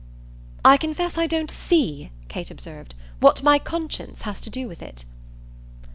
"I confess I don't see," Kate observed, "what my 'conscience' has to do with it."